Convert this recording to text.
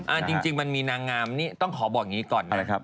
จริงมันมีนางงามนี่ต้องขอบอกอย่างนี้ก่อนนะครับ